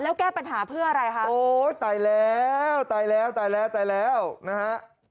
แล้วแก้ปัญหาเพื่ออะไรคะโอ้ยตายแล้วตายแล้วตายแล้วตายแล้วนะฮะ